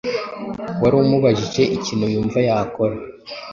wari umubajije ikintu yumva yakora